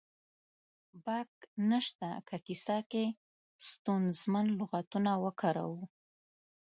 باک نه شته که کیسه کې ستونزمن لغاتونه وکاروو